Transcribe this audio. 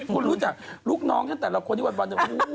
คุณรู้จักลูกน้องของฉันแต่ละคนที่วัน